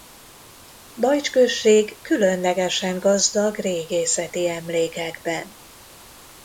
Bajcs község különlegesen gazdag régészeti emlékekben.